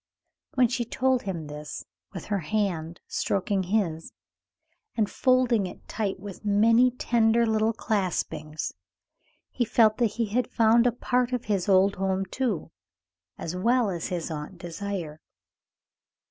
When she told him this, with her hand stroking his and folding it tight with many tender little claspings, he felt that he had found a part of his old home, too, as well as Aunt Désiré.